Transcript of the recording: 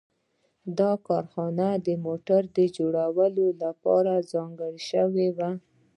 دا کارخانه د موټر جوړولو لپاره ځانګړې شوې وه